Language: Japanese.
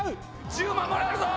１０万もらえるぞ。